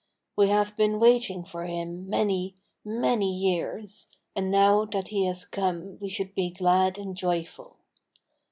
We have been waiting for him for many, many years, and now that he has come we should be glad and joyful.